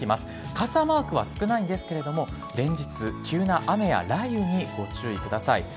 傘マークは少ないんですけれども、連日、急な雨や雷雨にご注意ください。